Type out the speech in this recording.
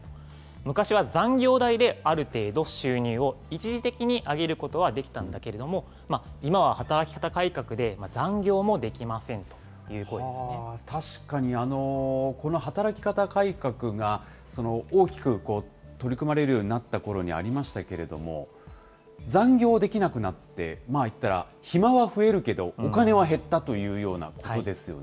昔は残業代である程度、収入を一時的に上げることはできたんだけれども、今は働き方改革で残業も確かに、この働き方改革が大きく取り組まれるようになったころにありましたけれども、残業できなくなって、言ったら暇は増えるけどお金は減ったというようなことですよね。